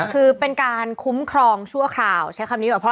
คือเป็นการคุ้มครองชั่วคราวใช้คำนี้กว่าพ่อ